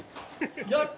やった！